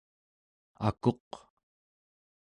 akuq